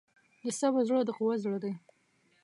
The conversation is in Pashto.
د صبر زړه د قوت زړه دی.